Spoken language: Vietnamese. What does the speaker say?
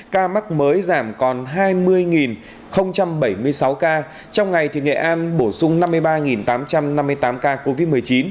ca mắc mới giảm còn hai mươi bảy mươi sáu ca trong ngày thì nghệ an bổ sung năm mươi ba tám trăm năm mươi tám ca covid một mươi chín